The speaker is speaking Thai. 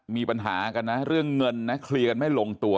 มีปัญหากันนะเรื่องเงินนะเคลียร์กันไม่ลงตัว